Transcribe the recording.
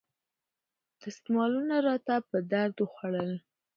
دستمالونو راته په درد وخوړل.